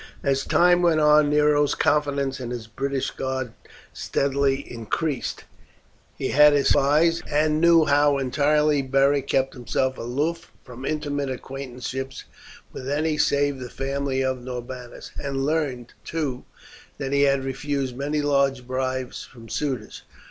As time went on Nero's confidence in his British guard steadily increased. He had his spies, and knew how entirely Beric kept himself aloof from intimate acquaintanceship with any save the family of Norbanus, and learned, too, that he had refused many large bribes from suitors.